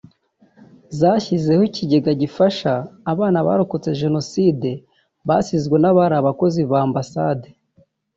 zashyizeho ikigega gifasha abana barokotse Jenoside basizwe n’abari abakozi ba Ambasade